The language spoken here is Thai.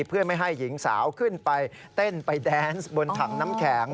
เพื่อไม่ให้หญิงสาวขึ้นไปเต้นไปแดนส์บนถังน้ำแข็ง